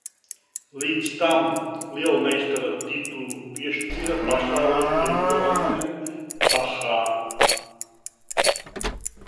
Līdz tam lielmeistara titulu piešķira Pasaules čempionēm šahā.